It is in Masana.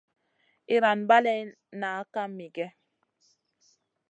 Iyran balley nah kam miguè.